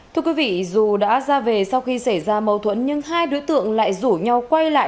thưa quý vị dù đã ra về sau khi xảy ra mâu thuẫn nhưng hai đối tượng lại rủ nhau quay lại